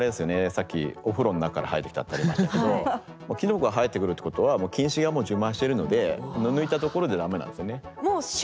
さっきお風呂の中から生えてきたってありましたけどキノコが生えてくるってことはもう菌糸が充満してるので抜いたところで駄目なんですよね。